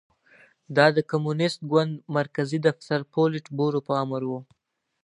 دا د کمونېست ګوند مرکزي دفتر پولیټ بورو په امر و